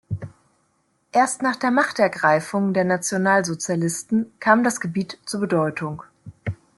Erst nach der „Machtergreifung“ der Nationalsozialisten kam das Gebiet zu Bedeutung.